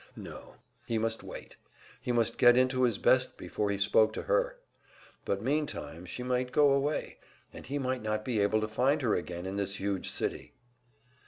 No, he must wait, he must get into his best before he spoke to her. But meantime, she might go away, and he might not be able to find her again in this huge city!